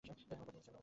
আমরা পথেই আছি।